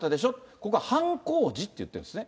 ここは犯行時って言ってるんですね。